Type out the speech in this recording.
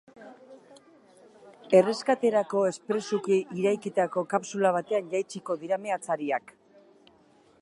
Erreskaterako espresuki eraikitako kapsula batean jaitsiko dira meatzariak.